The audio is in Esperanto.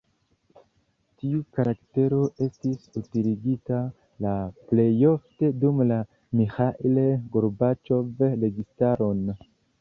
Tiu karaktero estis utiligita la plejofte dum la Miĥail Gorbaĉov registaron.